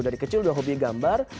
dari kecil udah hobi gambar